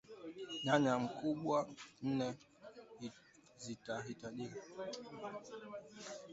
Nyanya Ukubwa nne zitahitajika